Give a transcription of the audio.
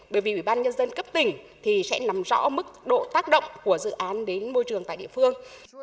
bởi vì ủy ban nhân dân cấp tỉnh thì sẽ nằm rõ mức độ tác động của dự án đến môi trường tại địa phương